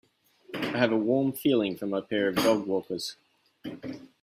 I have a warm feeling for my pair of dogwalkers.